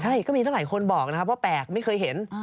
ใช่ก็มีตั้งหลายคนบอกนะครับว่าแปลกไม่เคยเห็น